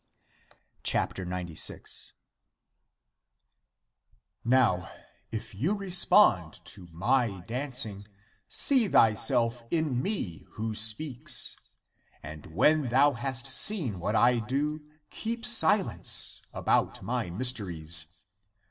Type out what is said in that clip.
Amen. 96. " Now if you respond to my dancing, see thyself in me who speaks ; and when thou hast seen what I do, keep silence about my mysteries